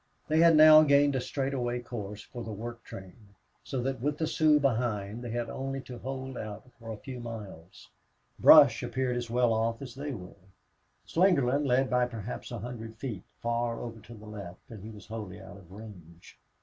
They had now gained a straight away course for the work train, so that with the Sioux behind they had only to hold out for a few miles. Brush appeared as well off as they were. Slingerland led by perhaps a hundred feet, far over to the left, and he was wholly out of range.